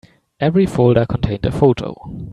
Every folder contained a photo.